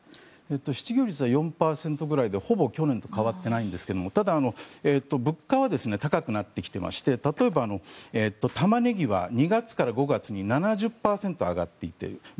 失業率は４％くらいでほぼ去年と変わってないんですがただ物価は高くなってきていまして例えば、タマネギは２月から５月に７０％上がっている。